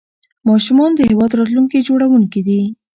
ماشومان د هیواد راتلونکي جوړونکي دي.